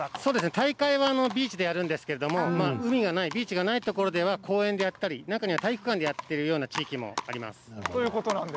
大会はビーチでやるんですが海のないところでは公園でやったり、中では体育館でやっている地域もあります。